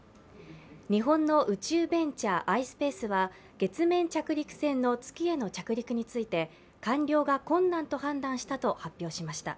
日本の宇宙ベンチャー・ｉｓｐａｃｅは月面着陸船の月への着陸について完了が困難と判断したと発表しました。